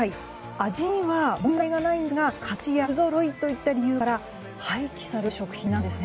味には問題がないんですが形や色が不ぞろいといった理由から廃棄される食品なんですね。